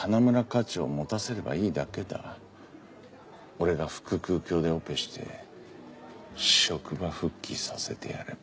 俺が腹腔鏡でオペして職場復帰させてやれば。